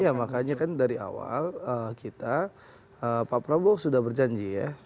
ya makanya kan dari awal kita pak prabowo sudah berjanji ya